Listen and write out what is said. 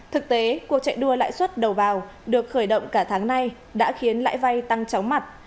thực tế cuộc chạy đua lãi suất đầu vào được khởi động cả tháng nay đã khiến lãi vay tăng chóng mặt